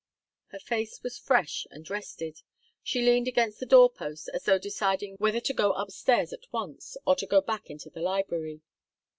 Her face was fresh and rested. She leaned against the doorpost as though deciding whether to go upstairs at once or to go back into the library.